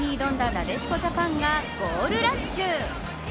なでしこジャパンがゴールラッシュ。